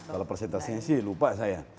kalau presentasinya sih lupa saya